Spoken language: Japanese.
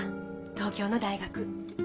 東京の大学。